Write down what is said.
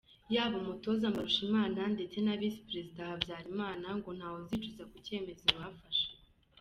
Yaba umutoza Mbarushimana ndetse na Visi Perezida Habyarimana ngo ntawe uzicuza ku cyemezo bafashe.